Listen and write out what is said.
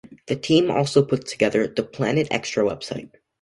The team also puts together the "Planet Extra" website.